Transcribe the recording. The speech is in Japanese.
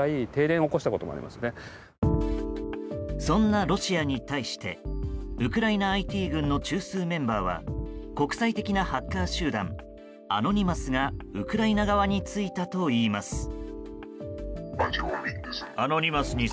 そんなロシアに対してウクライナＩＴ軍の中枢メンバーは国際的なハッカー集団アノニマスがウクライナ側についたといいます。